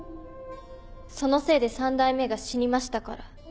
そのせいで三代目が死にましたから。